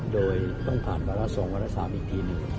โดยต้องผ่านวันละสองวันละสามอีกทีหนึ่ง